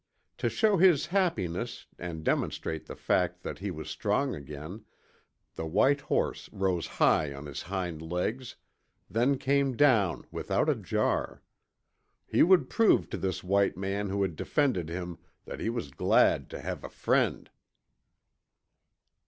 To show his happiness and demonstrate the fact that he was strong again, the white horse rose high on his hind legs, then came down without a jar. He would prove to this white man who had defended him that he was glad to have a friend.